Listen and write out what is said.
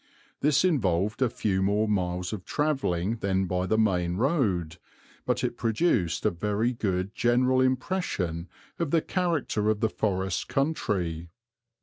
This involved a few more miles of travelling than by the main road, but it produced a very good general impression of the character of the forest country.